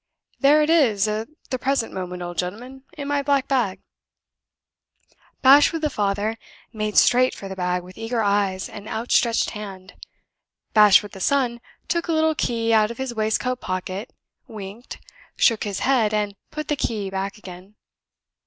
There it is at the present moment, old gentleman, in my black bag." Bashwood the father made straight for the bag with eager eyes and outstretched hand. Bashwood the son took a little key out of his waistcoat pocket, winked, shook his head, and put the key back again.